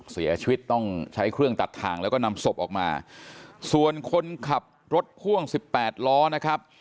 เสียชีวิตต้องใช้เครื่องตัดทางแล้วก็นำศพออกมาส่วนคนขับรถพ่วงสิบแปดล้อนะครับ